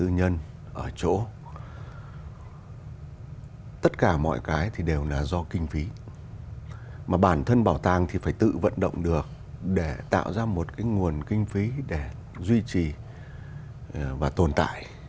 nhưng bảo tàng thì phải tự vận động được để tạo ra một nguồn kinh phí để duy trì và tồn tại